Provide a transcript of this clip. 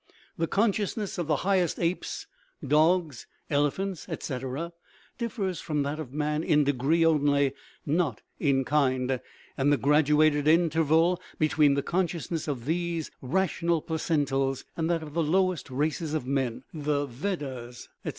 The consciousness of the highest apes, dogs, elephants, etc., differs from that of man in degree only, not in kind, and the graduated interval between the consciousness of these "rational" placentals and that of the lowest races of men (the Veddahs, etc.)